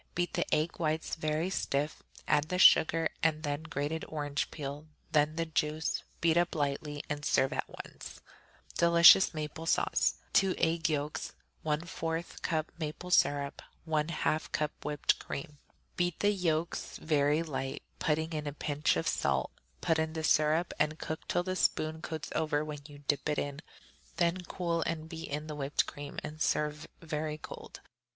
Beat the egg whites very stiff, add the sugar, then the grated orange peel, then the juice; beat up lightly and serve at once. Delicious Maple Sauce 2 egg yolks. 1/4 cup maple syrup. 1/2 cup whipped cream. Beat the yolks very light, putting in a pinch of salt; put in the syrup and cook till the spoon coats over when you dip it in; then cool and beat in the whipped cream, and serve very cold.